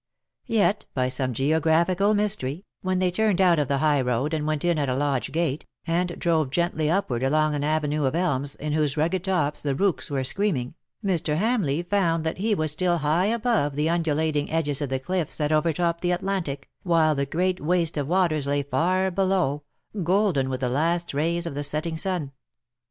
Yet, by some geographical mystery, when they turned out of the high road and went in at a lodge gate^ and drove gently upward along an avenue of elms, in whose rugged tops the rooks were screaming_, Mr. Hamleigh found that he was still high above the undulating edges of the cliffs that overtopped the Atlantic, while the great waste of waters lay far below, golden with the last rays of the setting sun.